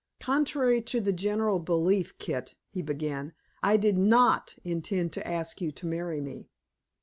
"Contrary to the general belief, Kit," he began, "I did NOT intend to ask you to marry me."